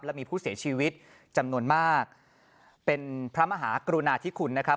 และมีผู้เสียชีวิตจำนวนมากเป็นพระมหากรุณาธิคุณนะครับ